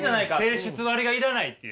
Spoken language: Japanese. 性質割が要らないっていう。